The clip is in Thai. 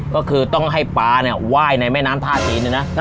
ก็คือต้องให้ปลาเนี่ยไหว้ในแม่น้ำท่าจีนเนี่ยนะ